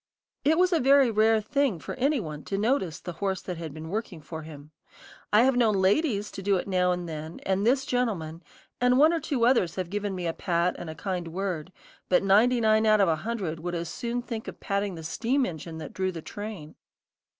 It was a very rare thing for any one to notice the horse that had been working for him. I have known ladies to do it now and then, and this gentleman, and one or two others have given me a pat and a kind word; but ninety nine out of a hundred would as soon think of patting the steam engine that drew the train.